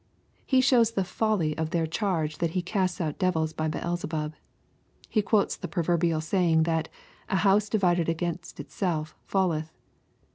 He shows the folly of their charge that He cast out devils by Beelzebub. He quotes the proverbial saying that " a house divided against itself falleth.